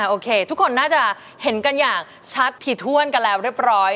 โอเคทุกคนน่าจะเห็นกันอย่างชัดถี่ถ้วนกันแล้วเรียบร้อย